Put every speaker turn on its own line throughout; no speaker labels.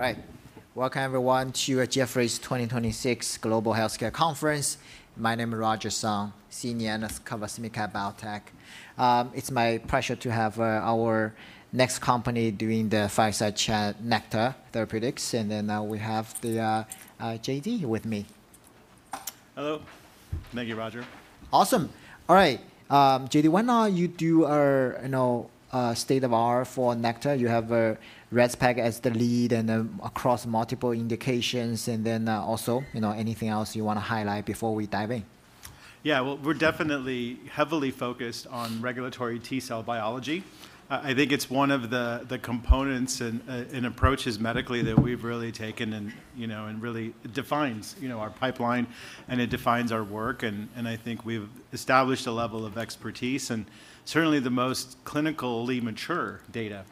All right. Welcome, everyone, to the Jefferies 2026 Global Healthcare Conference. My name is Roger Song, senior analyst covers medtech. Now we have J.D. with me.
Hello. Thank you, Roger.
Awesome. All right. J.D., why don't you do a state of R for Nektar? You have rezpegaldesleukin as the lead and then across multiple indications, and then also anything else you want to highlight before we dive in?
Yeah. Well, we're definitely heavily focused on regulatory T cell biology. I think it's one of the components and approaches medically that we've really taken and really defines our pipeline. It defines our work. I think we've established a level of expertise and certainly the most clinically mature data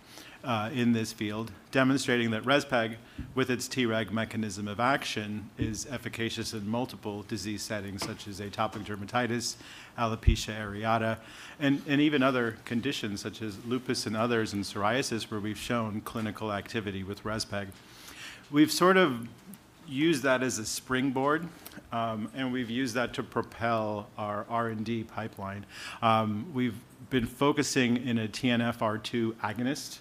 in this field, demonstrating that rezpegaldesleukin, with its Treg mechanism of action, is efficacious in multiple disease settings such as atopic dermatitis, alopecia areata, and even other conditions such as lupus and others, and psoriasis, where we've shown clinical activity with rezpegaldesleukin. We've sort of used that as a springboard. We've used that to propel our R&D pipeline. We've been focusing in a TNFR2 agonist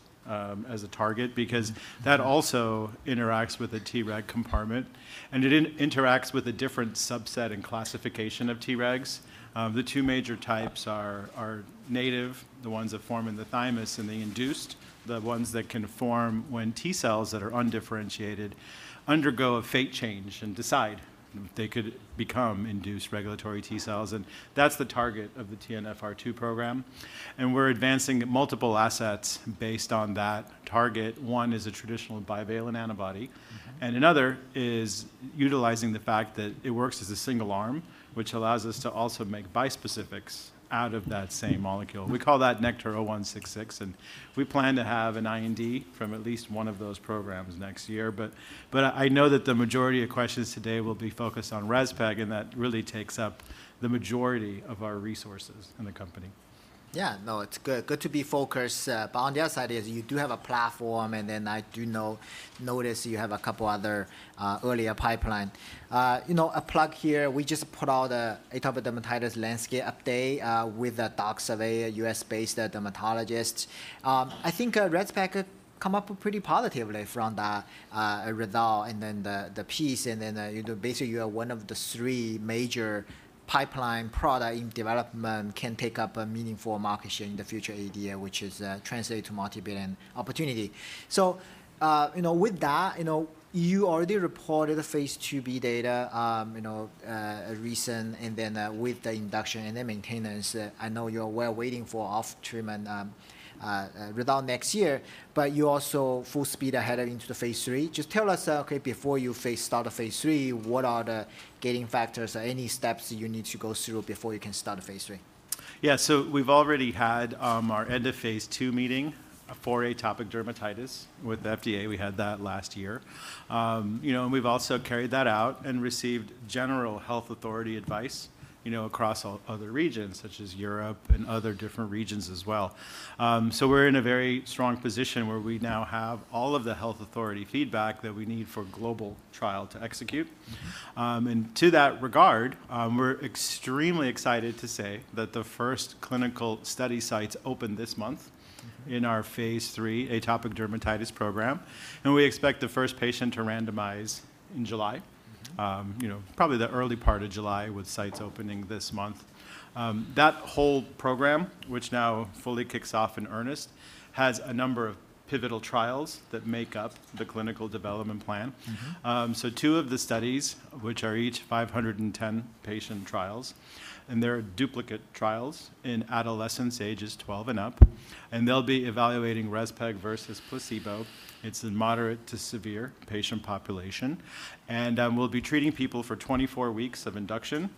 as a target because that also interacts with a Treg compartment. It interacts with a different subset and classification of Tregs. The two major types are native, the ones that form in the thymus, and the induced, the ones that can form when T cells that are undifferentiated undergo a fate change and decide they could become induced regulatory T cells, and that's the target of the TNFR2 program. We're advancing multiple assets based on that target. One is a traditional bivalent antibody, and another is utilizing the fact that it works as a single arm, which allows us to also make bispecifics out of that same molecule. We call that NKTR-0166, and we plan to have an IND from at least one of those programs next year. I know that the majority of questions today will be focused on rezpegaldesleukin, and that really takes up the majority of our resources in the company.
Yeah. No, it's good to be focused. On the other side is you do have a platform, I do notice you have a couple other earlier pipeline. A plug here, we just put out a atopic dermatitis landscape update with a doc survey, a U.S.-based dermatologist. I think rezpegaldesleukin could come up pretty positively from the result and then the piece, basically you are one of the three major pipeline product in development can take up a meaningful market share in the future AD, which is translated to $multi-billion opportunity. With that, you already reported the phase II-B data recent and then with the induction and the maintenance. I know you're well waiting for off treatment result next year, you're also full speed ahead into the phase III. Just tell us, okay, before you start the phase III, what are the gating factors? Any steps you need to go through before you can start the phase III?
Yeah. We've already had our end of phase II meeting for atopic dermatitis with the FDA. We had that last year. We've also carried that out and received general health authority advice across all other regions, such as Europe and other different regions as well. We're in a very strong position where we now have all of the health authority feedback that we need for global trial to execute. To that regard, we're extremely excited to say that the first clinical study sites open this month in our phase III atopic dermatitis program, and we expect the first patient to randomize in July. Probably the early part of July with sites opening this month. That whole program, which now fully kicks off in earnest, has a number of pivotal trials that make up the clinical development plan. Two of the studies, which are each 510 patient trials, and they're duplicate trials in adolescents ages 12 and up, and they'll be evaluating rezpegaldesleukin versus placebo. It's in moderate to severe patient population. We'll be treating people for 24 weeks of induction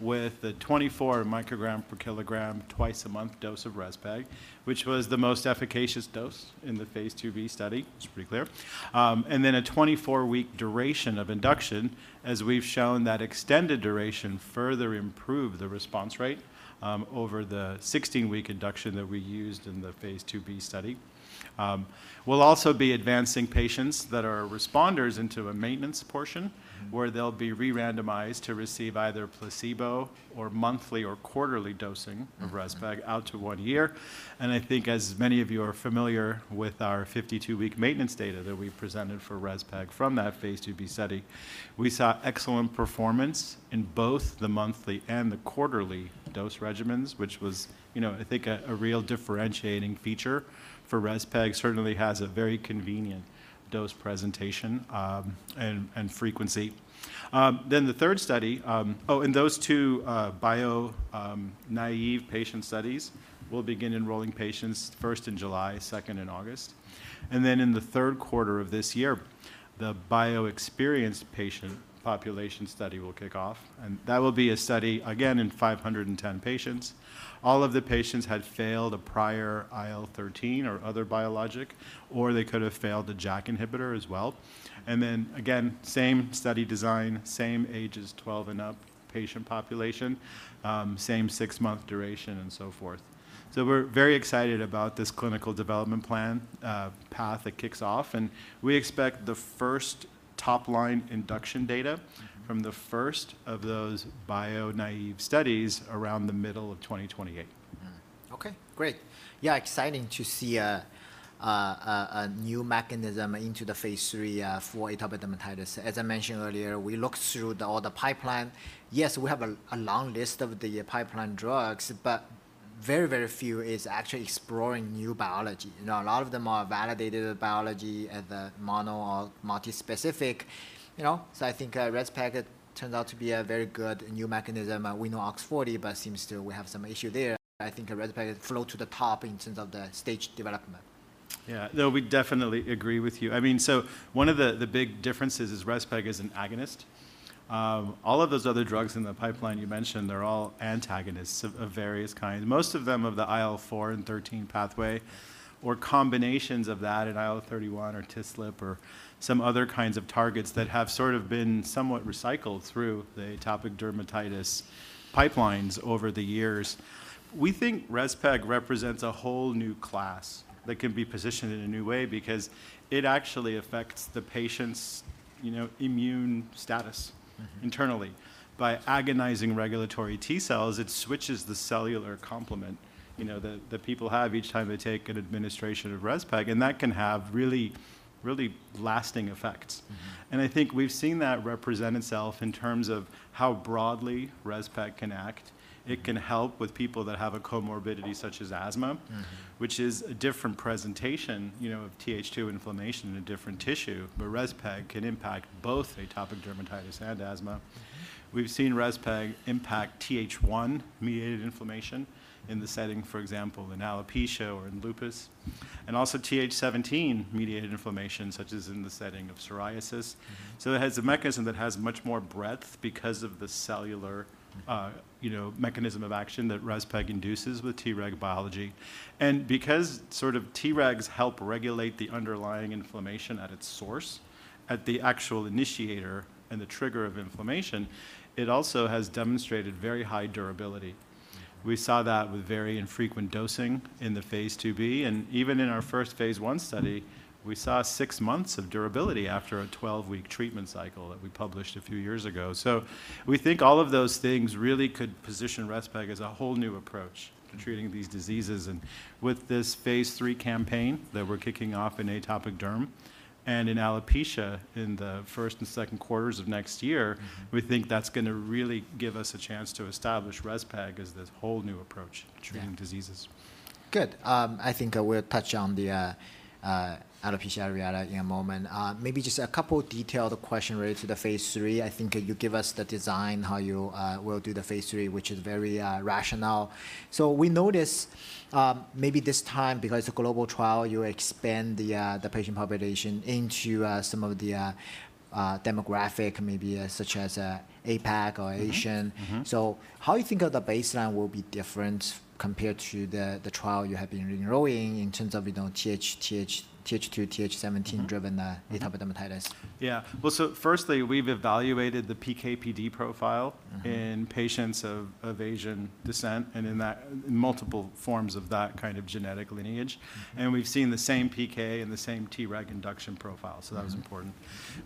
with the 24 microgram per kilogram twice a month dose of rezpegaldesleukin, which was the most efficacious dose in the phase IIb study. It's pretty clear. A 24-week duration of induction, as we've shown that extended duration further improved the response rate over the 16-week induction that we used in the phase II-B study. We'll also be advancing patients that are responders into a maintenance portion, where they'll be re-randomized to receive either placebo or monthly or quarterly dosing of rezpegaldesleukin out to one year. I think, as many of you are familiar with our 52-week maintenance data that we presented for rezpegaldesleukin from that phase IIb study, we saw excellent performance in both the monthly and the quarterly dose regimens, which was, I think, a real differentiating feature for rezpegaldesleukin. Certainly has a very convenient dose presentation and frequency. Those two bio-naive patient studies will begin enrolling patients first in July, second in August. In the third quarter of this year, the bio-experienced patient population study will kick off, and that will be a study, again, in 510 patients. All of the patients had failed a prior IL-13 or other biologic, or they could have failed a JAK inhibitor as well. Again, same study design, same ages 12 and up patient population, same six-month duration, and so forth. We're very excited about this clinical development plan path that kicks off, and we expect the first top-line induction data from the first of those bio-naive studies around the middle of 2028.
Okay, great. Yeah, exciting to see a new mechanism into the phase III for atopic dermatitis. As I mentioned earlier, we looked through all the pipeline. Yes, we have a long list of the pipeline drugs, but very, very few is actually exploring new biology. A lot of them are validated biology at the mono or multi-specific. I think rezpegaldesleukin turns out to be a very good new mechanism. We know OX40, but seems to we have some issue there. I think rezpegaldesleukin float to the top in terms of the stage development.
Yeah. No, we definitely agree with you. One of the big differences is rezpegaldesleukin is an agonist. All of those other drugs in the pipeline you mentioned, they're all antagonists of various kinds. Most of them of the IL-4 and IL-13 pathway or combinations of that, and IL-31 or TSLP or some other kinds of targets that have sort of been somewhat recycled through the atopic dermatitis pipelines over the years. We think rezpegaldesleukin represents a whole new class that can be positioned in a new way because it actually affects the patient's immune status internally. By agonizing regulatory T cells, it switches the cellular complement that people have each time they take an administration of rezpegaldesleukin, and that can have really lasting effects. I think we've seen that represent itself in terms of how broadly rezpegaldesleukin can act. It can help with people that have a comorbidity such as asthma. Which is a different presentation of Th2 inflammation in a different tissue, but rezpegaldesleukin can impact both atopic dermatitis and asthma. We've seen rezpegaldesleukin impact Th1 mediated inflammation in the setting, for example, in alopecia or in lupus, and also Th17 mediated inflammation such as in the setting of psoriasis. It has a mechanism that has much more breadth because of the cellular mechanism of action that rezpegaldesleukin induces with Treg biology. Because sort of Tregs help regulate the underlying inflammation at its source, at the actual initiator and the trigger of inflammation, it also has demonstrated very high durability. We saw that with very infrequent dosing in the phase II-B, and even in our first phase I study, we saw six months of durability after a 12-week treatment cycle that we published a few years ago. We think all of those things really could position rezpegaldesleukin as a whole new approach to treating these diseases. With this phase III campaign that we're kicking off in atopic derm and in alopecia in the first and second quarters of next year, we think that's going to really give us a chance to establish rezpegaldesleukin as this whole new approach to treating diseases.
Good. I think we'll touch on the alopecia areata in a moment. Maybe just a couple detailed question related to the phase III. I think you give us the design, how you will do the phase III, which is very rational. We notice maybe this time because the global trial, you expand the patient population into some of the demographic, maybe such as APAC or Asian. How you think of the baseline will be different compared to the trial you have been enrolling in terms of Th2, Th17 driven atopic dermatitis?
Yeah. Well, firstly, we've evaluated the PK/PD profile in patients of Asian descent, and in multiple forms of that kind of genetic lineage. We've seen the same PK and the same Treg induction profile, so that was important.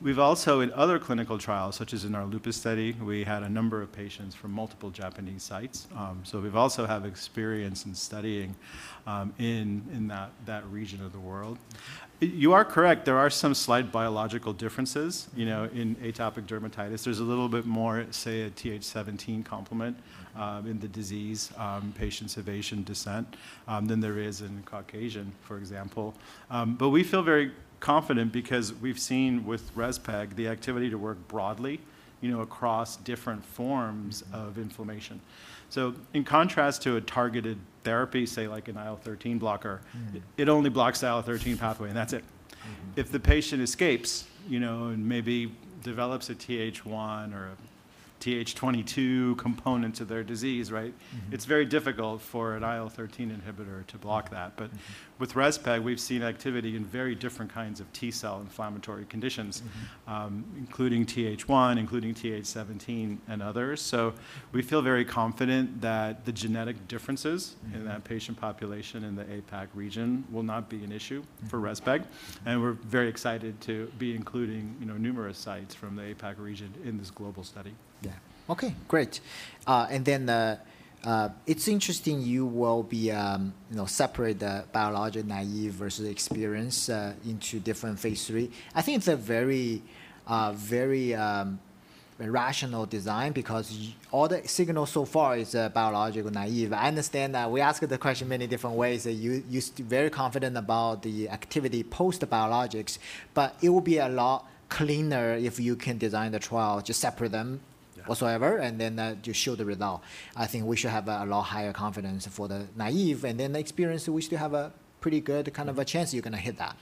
We've also, in other clinical trials, such as in our lupus study, we had a number of patients from multiple Japanese sites. We've also have experience in studying in that region of the world. You are correct, there are some slight biological differences in atopic dermatitis. There's a little bit more, say, a Th17 complement in the disease, patients of Asian descent, than there is in Caucasian, for example. We feel very confident because we've seen with rezpegaldesleukin, the activity to work broadly across different forms of inflammation, in contrast to a targeted therapy, say like an IL-13 blocker. It only blocks the IL-13 pathway, and that's it. If the patient escapes and maybe develops a Th1 or a Th22 component to their disease, right? It's very difficult for an IL-13 inhibitor to block that. With rezpegaldesleukin, we've seen activity in very different kinds of T cell inflammatory conditions including Th1, including Th17, and others. We feel very confident that the genetic differences in that patient population in the APAC region will not be an issue for rezpegaldesleukin, and we're very excited to be including numerous sites from the APAC region in this global study.
Yeah. Okay, great. Then it's interesting you will separate the biologic naive versus experienced into different phase III. I think it's a very rational design because all the signals so far is biological naive. I understand that we ask the question many different ways that you're very confident about the activity post biologics, but it will be a lot cleaner if you can design the trial, just separate them whatsoever and then just show the result. I think we should have a lot higher confidence for the naive and then the experienced, we still have a pretty good kind of a chance you're going to hit that.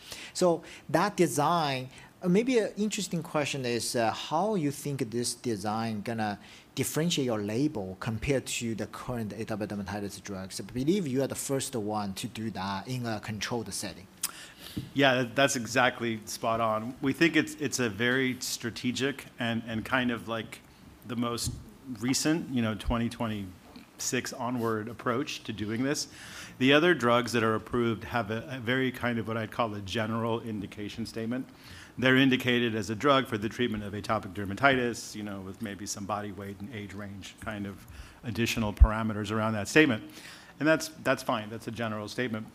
That design, maybe an interesting question is how you think this design going to differentiate your label compared to the current atopic dermatitis drugs? I believe you are the first one to do that in a controlled setting.
Yeah, that's exactly spot on. We think it's a very strategic and kind of like the most recent 2026 onward approach to doing this. The other drugs that are approved have a very kind of what I'd call a general indication statement. They're indicated as a drug for the treatment of atopic dermatitis, with maybe some body weight and age range kind of additional parameters around that statement, and that's fine. That's a general statement.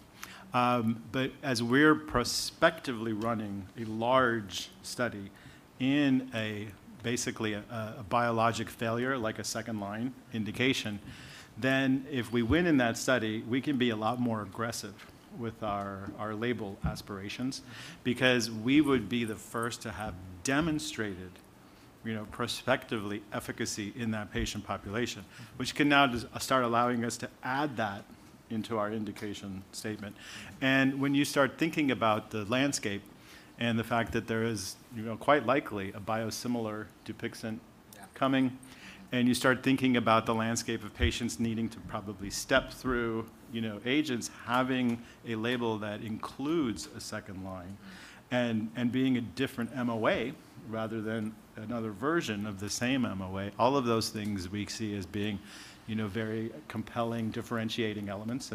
As we're prospectively running a large study in a basically a biologic failure, like a second-line indication, then if we win in that study, we can be a lot more aggressive with our label aspirations because we would be the first to have demonstrated prospectively efficacy in that patient population. Which can now start allowing us to add that into our indication statement. When you start thinking about the landscape and the fact that there is quite likely a biosimilar Dupixent coming, and you start thinking about the landscape of patients needing to probably step through agents having a label that includes a second line and being a different MOA, rather than another version of the same MOA, all of those things we see as being very compelling, differentiating elements.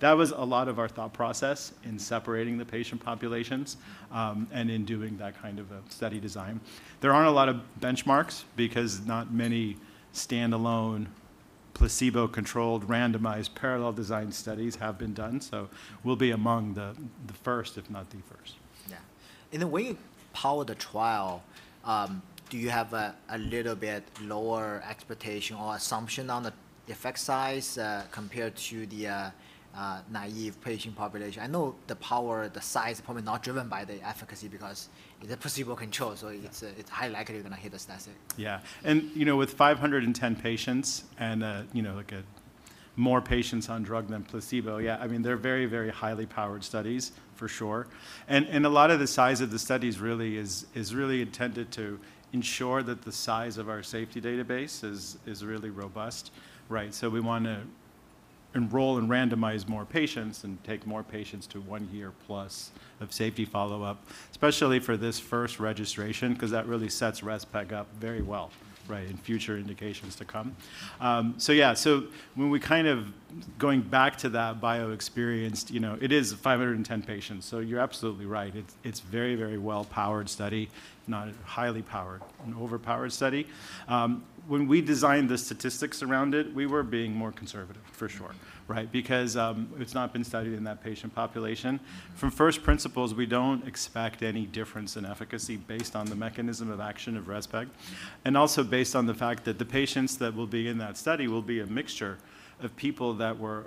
That was a lot of our thought process in separating the patient populations, and in doing that kind of a study design. There aren't a lot of benchmarks because not many standalone placebo-controlled, randomized parallel design studies have been done. We'll be among the first, if not the first.
Yeah. In the way you powered the trial, do you have a little bit lower expectation or assumption on the effect size, compared to the naive patient population? I know the power, the size is probably not driven by the efficacy because it's a placebo control, so it's highly likely you're going to hit the statistic.
Yeah. With 510 patients and more patients on drug than placebo, yeah, they're very, very highly powered studies for sure. A lot of the size of the studies really is intended to ensure that the size of our safety database is really robust. Right. We want to enroll and randomize more patients and take more patients to one year plus of safety follow-up, especially for this first registration, because that really sets rezpegaldesleukin up very well, right, in future indications to come. Yeah. When we kind of going back to that bio experienced, it is 510 patients, you're absolutely right. It's very, very well powered study, not highly powered, an overpowered study. When we designed the statistics around it, we were being more conservative, for sure. Right. It's not been studied in that patient population. From first principles, we don't expect any difference in efficacy based on the mechanism of action of rezpegaldesleukin, and also based on the fact that the patients that will be in that study will be a mixture of people that were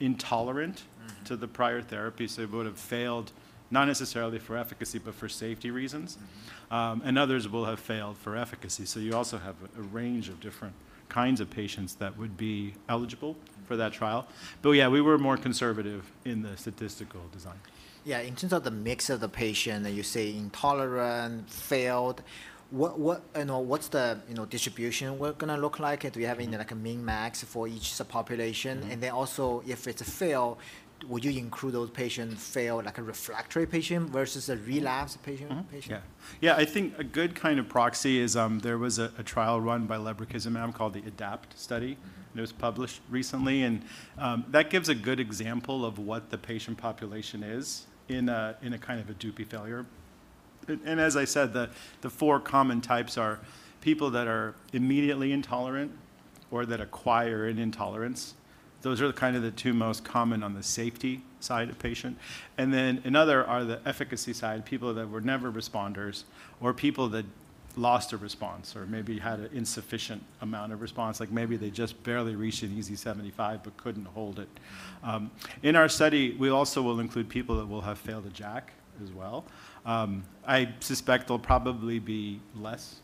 intolerant to the prior therapy, so it would've failed, not necessarily for efficacy, but for safety reasons. Others will have failed for efficacy. You also have a range of different kinds of patients that would be eligible for that trial. Yeah, we were more conservative in the statistical design.
Yeah. In terms of the mix of the patient, you say intolerant, failed. What's the distribution work going to look like? Do we have a min-max for each subpopulation? Also, if it's a fail, would you include those patients fail, like a refractory patient versus a relapsed patient?
Yeah. I think a good kind of proxy is, there was a trial run by lebrikizumab called the ADAPT study. It was published recently and that gives a good example of what the patient population is in a kind of a Dupixent failure. As I said, the four common types are people that are immediately intolerant or that acquire an intolerance. Those are the kind of the two most common on the safety side of patient. Then another are the efficacy side, people that were never responders or people that lost a response or maybe had an insufficient amount of response, like maybe they just barely reached an EASI-75 but couldn't hold it. In our study, we also will include people that will have failed a JAK as well. I suspect there'll probably be less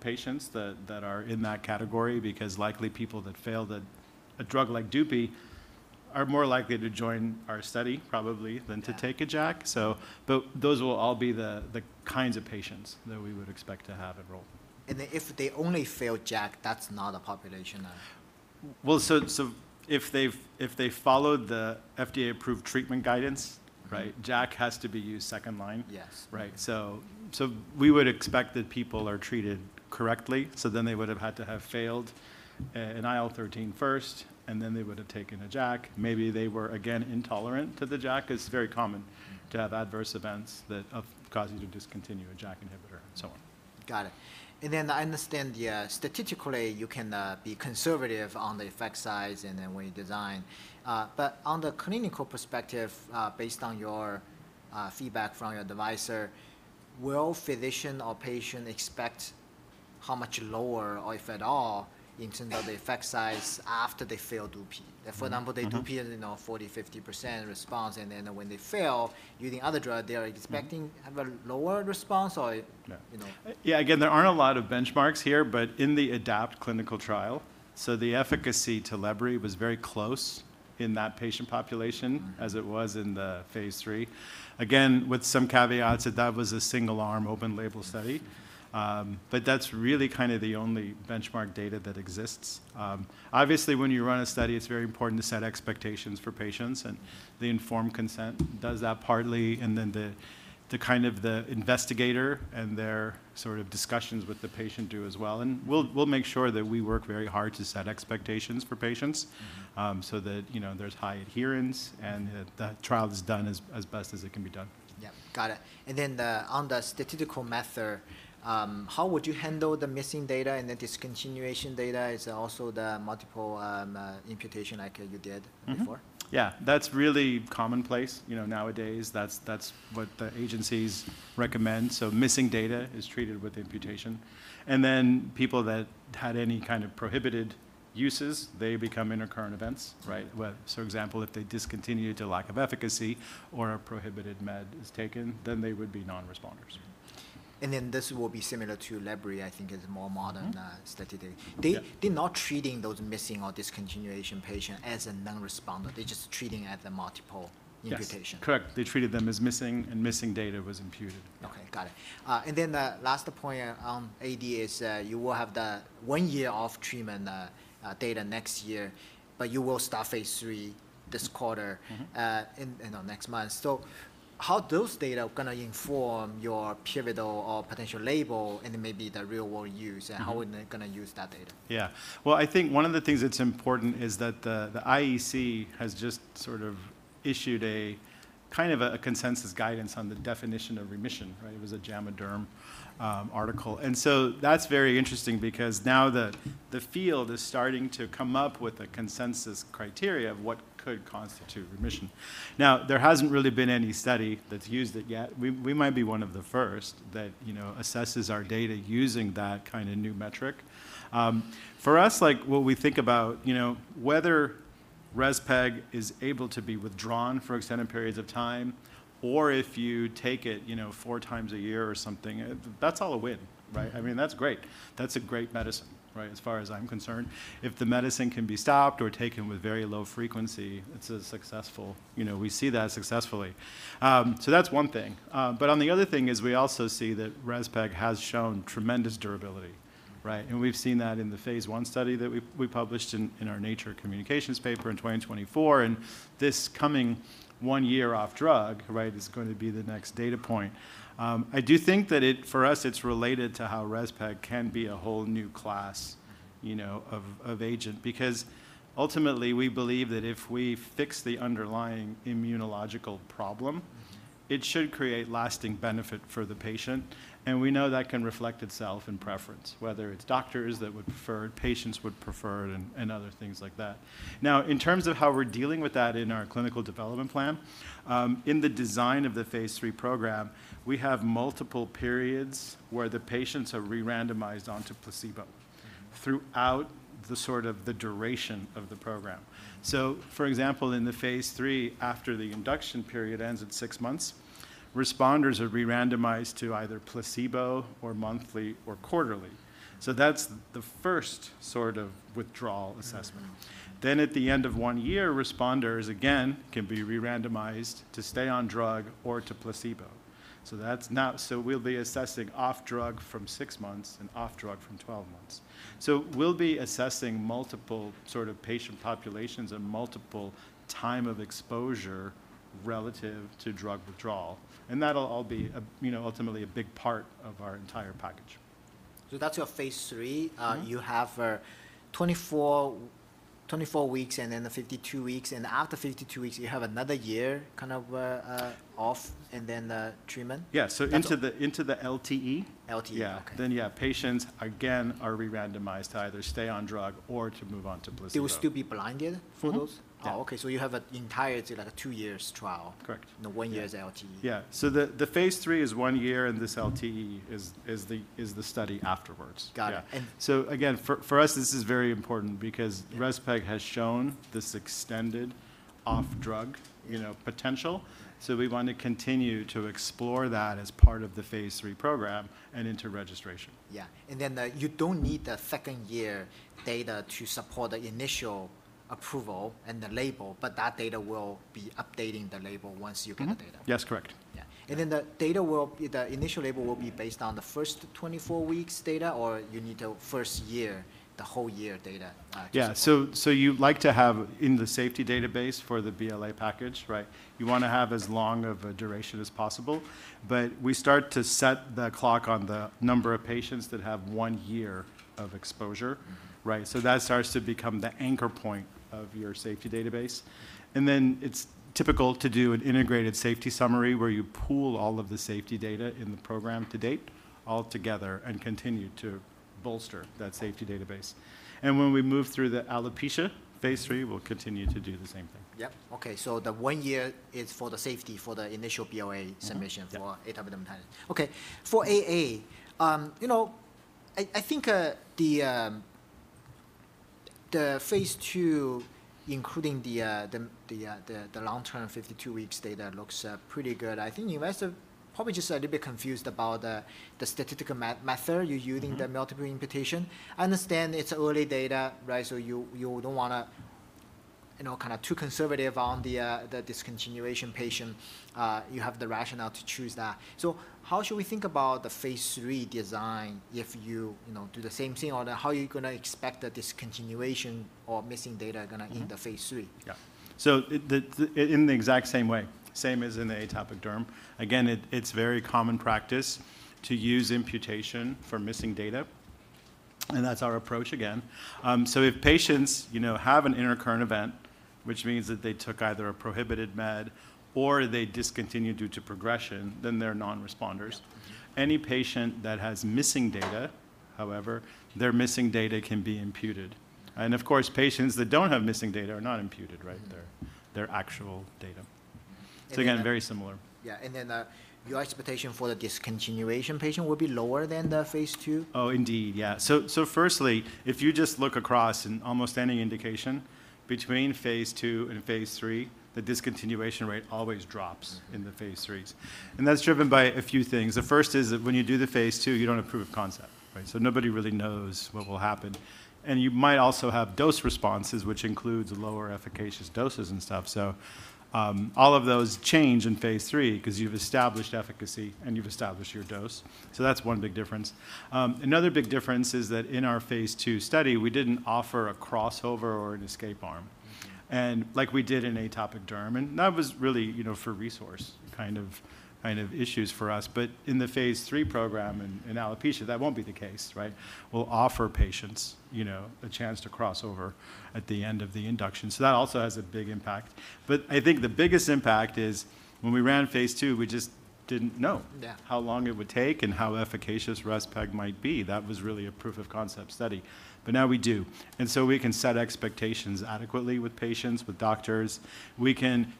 patients that are in that category because likely people that failed a drug like Dupixent are more likely to join our study probably than to take a JAK. Those will all be the kinds of patients that we would expect to have enroll.
If they only failed JAK, that's not a population.
Well, if they followed the FDA-approved treatment guidance, right? JAK has to be used second line.
Yes.
Right. We would expect that people are treated correctly, so then they would've had to have failed an IL-13 first, and then they would've taken a JAK. Maybe they were, again, intolerant to the JAK. It's very common to have adverse events that cause you to discontinue a JAK inhibitor and so on.
Got it. I understand, statistically you can be conservative on the effect size and then when you design. On the clinical perspective, based on your feedback from your advisor, will physician or patient expect how much lower or if at all in terms of the effect size after they fail Dupixent? For example, Dupixent is 40%-50% response, and then when they fail using other drug, they are expecting have a lower response.
No
you know.
Yeah. Again, there aren't a lot of benchmarks here, but in the ADAPT clinical trial, so the efficacy to Lebrikizumab was very close in that patient population as it was in the phase III. Again, with some caveats, that was a single arm open label study. That's really the only benchmark data that exists. Obviously, when you run a study, it's very important to set expectations for patients, and the informed consent does that partly, and then the investigator and their discussions with the patient do as well. We'll make sure that we work very hard to set expectations for patients so that there's high adherence and that that trial is done as best as it can be done.
Yeah. Got it. On the statistical method, how would you handle the missing data and the discontinuation data? Is also the multiple imputation like you did before?
Mm-hmm. Yeah. That's really commonplace nowadays. That's what the agencies recommend. Missing data is treated with imputation. People that had any kind of prohibited uses, they become intercurrent events, right? For example, if they discontinued a lack of efficacy or a prohibited med is taken, they would be non-responders.
This will be similar to lebrikizumab, I think is more modern statistic.
Mm-hmm. Yeah.
They're not treating those missing or discontinuation patient as a non-responder. They're just treating at the multiple imputation.
Yes. Correct. They treated them as missing, and missing data was imputed.
Okay. Got it. The last point on AD is you will have the one year off treatment data next year, but you will start phase III this quarter. in the next month. How those data going to inform your pivotal or potential label and maybe the real world use. How are they going to use that data?
Yeah. Well, I think one of the things that's important is that the IEC has just issued a kind of a consensus guidance on the definition of remission, right? It was a JAMA Derm article. That's very interesting because now the field is starting to come up with a consensus criteria of what could constitute remission. Now, there hasn't really been any study that's used it yet. We might be one of the first that assesses our data using that kind of new metric. For us, what we think about, whether respeg is able to be withdrawn for extended periods of time or if you take it four times a year or something, that's all a win, right? That's great. That's a great medicine, right, as far as I'm concerned. If the medicine can be stopped or taken with very low frequency, we see that successfully. That's one thing. On the other thing is we also see that respeg has shown tremendous durability, right? We've seen that in the phase I study that we published in our "Nature Communications" paper in 2024, and this coming one year off drug, right, is going to be the next data point. I do think that for us it's related to how respeg can be a whole new class of agent because ultimately we believe that if we fix the underlying immunological problem, it should create lasting benefit for the patient, and we know that can reflect itself in preference, whether it's doctors that would prefer it, patients would prefer it, and other things like that. In terms of how we're dealing with that in our clinical development plan, in the design of the phase III program, we have multiple periods where the patients are re-randomized onto placebo throughout the duration of the program. For example, in the phase III, after the induction period ends at six months, responders are re-randomized to either placebo or monthly or quarterly. That's the first withdrawal assessment. At the end of one year, responders, again, can be re-randomized to stay on drug or to placebo. We'll be assessing off drug from 12 months. We'll be assessing multiple patient populations and multiple time of exposure relative to drug withdrawal. That'll all be ultimately a big part of our entire package.
That's your phase III. You have 24 weeks and then the 52 weeks, and after 52 weeks, you have another year off and then the treatment?
Yeah. Into the LTE.
LTE. Okay.
Yeah. Yeah, patients again are re-randomized to either stay on drug or to move on to placebo.
They will still be blinded for those?
Mm-hmm. Yeah.
Oh, okay. You have an entire two years trial.
Correct.
One year is LTE.
Yeah. The phase III is one year, and this LTE is the study afterwards.
Got it.
Yeah. Again, for us, this is very important because respeg has shown this extended off drug potential. We want to continue to explore that as part of the phase III program and into registration.
Yeah. You don't need the second year data to support the initial approval and the label, but that data will be updating the label once you get the data.
Yes. Correct.
Yeah. Then the initial label will be based on the first 24 weeks data, or you need the whole year data?
Yeah. You like to have in the safety database for the BLA package, right, you want to have as long of a duration as possible, but we start to set the clock on the number of patients that have one year of exposure, right? That starts to become the anchor point of your safety database. Then it's typical to do an integrated safety summary where you pool all of the safety data in the program to date all together and continue to bolster that safety database. When we move through the alopecia phase III, we'll continue to do the same thing.
Yep. Okay. The one year is for the safety for the initial BLA submission.
Mm-hmm. Yeah.
for AD. Okay. For AD, you know I think the phase II, including the long-term 52 weeks data looks pretty good. I think investors probably are just a little bit confused about the statistical method you're using, the multiple imputation. I understand it's early data, so you don't want to be too conservative on the discontinuation patient. You have the rationale to choose that. How should we think about the phase III design if you do the same thing? How are you going to expect the discontinuation of missing data going to end the phase III?
Yeah. In the exact same way. Same as in the atopic derm. Again, it's very common practice to use imputation for missing data, and that's our approach again. If patients have an intercurrent event, which means that they took either a prohibited med or they discontinued due to progression, then they're non-responders.
Yeah.
Any patient that has missing data, however, their missing data can be imputed. Of course, patients that don't have missing data are not imputed. They're actual data.
And then-
Again, very similar.
Yeah. Then your expectation for the discontinuation patient will be lower than the phase II?
Oh, indeed. Yeah. Firstly, if you just look across in almost any indication between phase II and phase III, the discontinuation rate always drops in the phase IIIs. That's driven by a few things. The first is that when you do the phase II, you don't approve concept. Nobody really knows what will happen. You might also have dose responses, which includes lower efficacious doses and stuff. All of those change in phase III because you've established efficacy and you've established your dose. That's one big difference. Another big difference is that in our phase II study, we didn't offer a crossover or an escape arm, like we did in atopic AD, and that was really for resource kind of issues for us. In the phase III program in alopecia, that won't be the case. We'll offer patients a chance to cross over at the end of the induction. That also has a big impact. I think the biggest impact is when we ran phase II, we just didn't know.
Yeah
how long it would take and how efficacious respeg might be. That was really a proof of concept study. Now we do. We can set expectations adequately with patients, with doctors. We can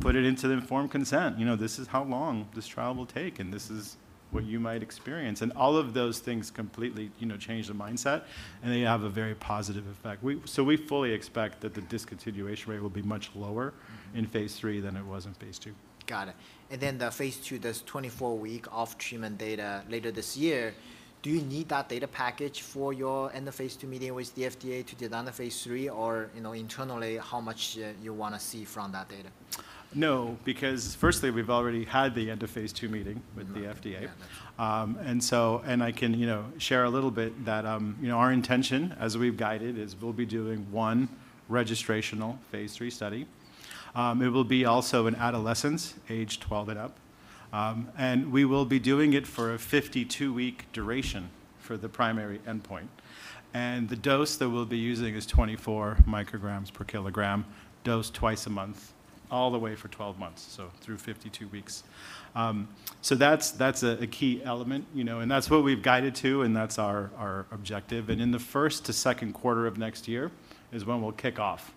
put it into the informed consent. This is how long this trial will take, and this is what you might experience. All of those things completely change the mindset, and they have a very positive effect. We fully expect that the discontinuation rate will be much lower in phase III than it was in phase II.
Got it. Then the phase II, this 24-week off treatment data later this year, do you need that data package for your end of phase II meeting with the FDA to design the phase III? Or internally, how much you want to see from that data?
No, because firstly, we've already had the end of phase II meeting with the FDA.
Yeah, that's right.
I can share a little bit that our intention, as we've guided, is we'll be doing one registrational phase III study. It will be also in adolescents age 12 and up. We will be doing it for a 52-week duration for the primary endpoint. The dose that we'll be using is 24 micrograms per kilogram, dosed twice a month, all the way for 12 months. Through 52 weeks. That's a key element, and that's what we've guided to, and that's our objective. In the first to second quarter of next year is when we'll kick off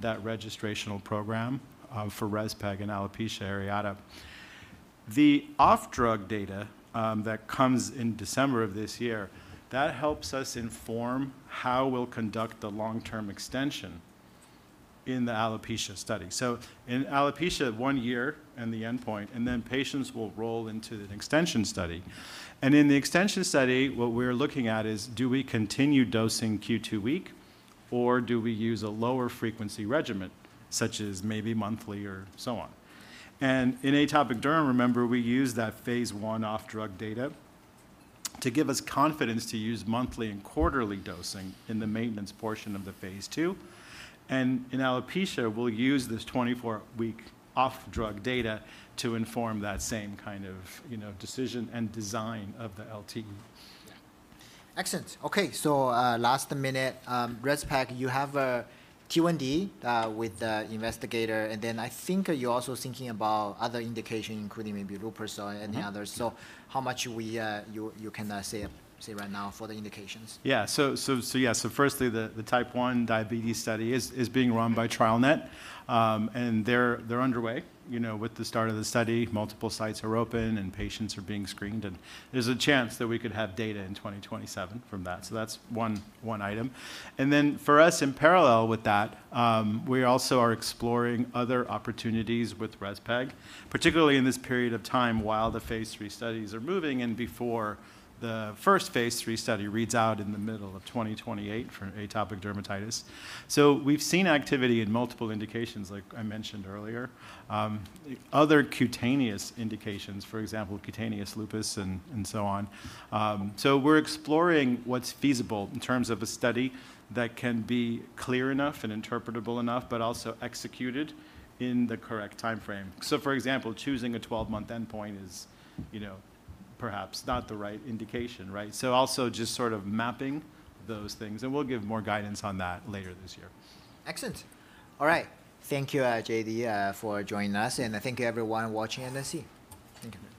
that registrational program for respeg and alopecia areata. The off-drug data that comes in December of this year, that helps us inform how we'll conduct the long-term extension in the alopecia study. In alopecia, one year and the endpoint, and then patients will roll into an extension study. In the extension study, what we're looking at is do we continue dosing Q2 week, or do we use a lower frequency regimen, such as maybe monthly or so on? In atopic derm, remember, we used that phase I off-drug data to give us confidence to use monthly and quarterly dosing in the maintenance portion of the phase II. In alopecia, we'll use this 24-week off-drug data to inform that same kind of decision and design of the LTE.
Yeah. Excellent. Okay. Last minute. rezpegaldesleukin, you have a Q&D with the investigator, and then I think you're also thinking about other indication, including maybe lupus or any others. How much you can say right now for the indications?
Yeah. Firstly, the type one diabetes study is being run by TrialNet, they're underway. With the start of the study, multiple sites are open, patients are being screened, there's a chance that we could have data in 2027 from that. That's one item. For us, in parallel with that, we also are exploring other opportunities with respeg, particularly in this period of time while the phase III studies are moving before the first phase III study reads out in the middle of 2028 for atopic dermatitis. We've seen activity in multiple indications, like I mentioned earlier. Other cutaneous indications, for example, cutaneous lupus and so on. We're exploring what's feasible in terms of a study that can be clear enough and interpretable enough, also executed in the correct timeframe. For example, choosing a 12-month endpoint is perhaps not the right indication. Also just sort of mapping those things, and we'll give more guidance on that later this year.
Excellent. All right. Thank you, J.D., for joining us, and thank you everyone watching NSC. Thank you.